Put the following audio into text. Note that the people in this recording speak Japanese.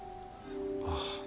ああ。